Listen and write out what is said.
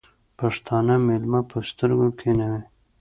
پښتانه مېلمه په سترگو کېنوي.